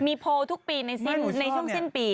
มีโพลทุกปีในช่วงสิ้นปี